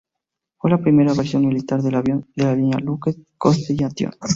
Fue la primera versión militar del avión de línea Lockheed Constellation.